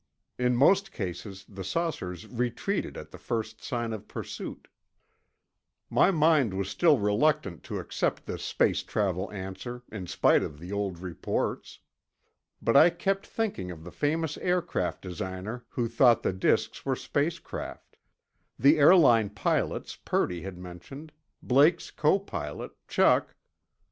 In most cases, the saucers retreated at the first sign of pursuit. My mind was still reluctant to accept the space travel answer, in spite of the old reports. But I kept thinking of the famous aircraft designer who thought the disks were space craft; the airline pilots Purdy had mentioned; Blake's copilot, Chuck. .